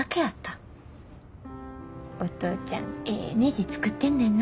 お父ちゃんええねじ作ってんねんな。